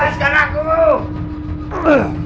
resu banget sih